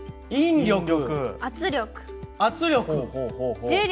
圧力。